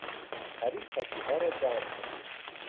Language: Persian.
پری پتوها را جمع کرد.